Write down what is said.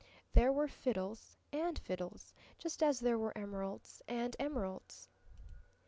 There were fiddles and fiddles, just as there were emeralds and emeralds.